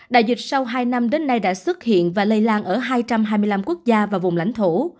đại dịch sau hai năm đến nay đã xuất hiện và lây lan ở hai trăm hai mươi năm quốc gia và vùng lãnh thổ